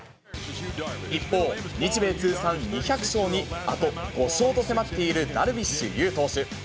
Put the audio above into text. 一方、日米通算２００勝にあと５勝と迫っているダルビッシュ有投手。